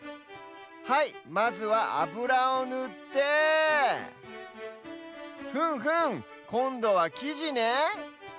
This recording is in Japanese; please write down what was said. はいまずはあぶらをぬってふむふむこんどはきじね。